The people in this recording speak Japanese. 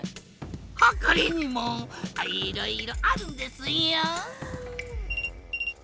「はかりにもあいろいろあるんですよん」